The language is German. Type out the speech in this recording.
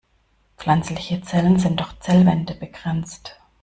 Pflanzliche Zellen sind durch Zellwände begrenzt.